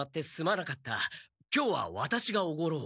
今日はワタシがおごろう。